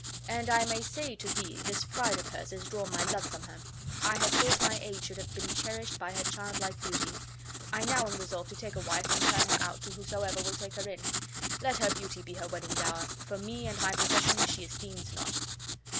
And I may say to thee this pride of hers has drawn my love from her. I had thought my age should have been cherished by her childlike duty. I now am resolved to take a wife, and turn her out to whosoever will take her in. Let her beauty be her wedding dower, for me and my possessions she esteems not."